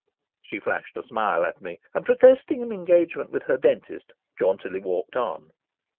She flashed a smile at me, and, protesting an engagement with her dentist, jauntily walked on.